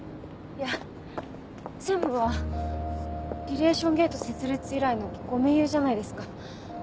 いや専務はリレーション・ゲート設立以来のご盟友じゃないですか。